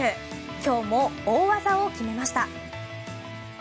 今日も大技を決めました。